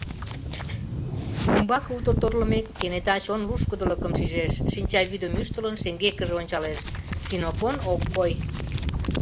Умбаке утыр торлымек, кенета чон лушкыдылыкым шижеш, шинчавӱдым ӱштылын, шеҥгекыже ончалеш: Синопон ок кой.